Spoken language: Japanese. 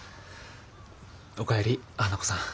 お帰り花子さん。